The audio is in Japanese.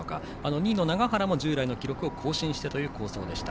２位の永原も従来の記録を更新してという好走でした。